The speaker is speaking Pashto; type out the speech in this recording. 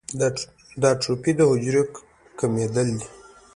د اټروفي د حجرو کمېدل دي.